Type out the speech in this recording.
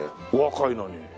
お若いのに。